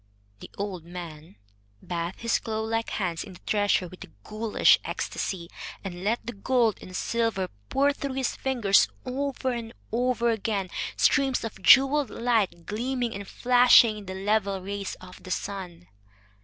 The old man bathed his claw like hands in the treasure with a ghoulish ecstasy, and let the gold and silver pour through his fingers over and over again, streams of jeweled light gleaming and flashing in the level rays of the sun.